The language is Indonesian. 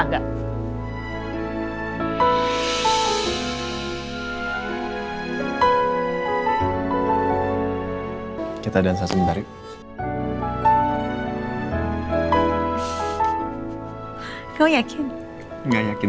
nah itu teman teman para tamu undangan